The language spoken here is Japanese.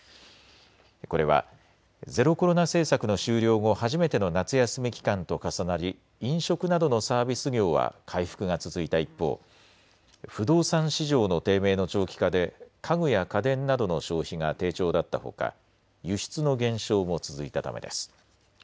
これはゼロコロナ政策の終了後、初めての夏休み期間と重なり飲食などのサービス業は回復が続いた一方、不動産市場の低迷の長期化で家具や家電などの消費が低調だったほか、輸出の減少も続いたためです。